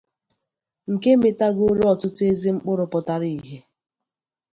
nke mịtagoro ọtụtụ ezi mkpụrụ pụtara ìhè